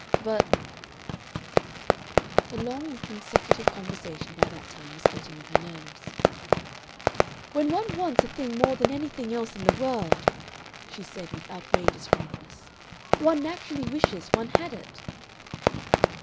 "But " The long inconsecutive conversation by that time was getting on her nerves. "When one wants a thing more than anything else in the world," she said with outrageous frankness, "one naturally wishes one had it."